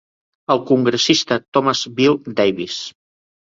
El congressista Thomas Beall Davis.